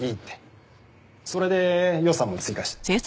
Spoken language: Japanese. それで予算も追加して。